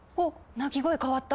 鳴き声変わった。